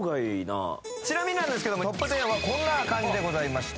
ちなみになんですけどＴＯＰ１０はこんな感じでございました